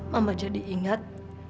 mama jadi ingat